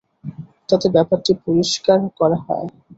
তাতে ব্যাপারটি পরিষ্কার করা হয়।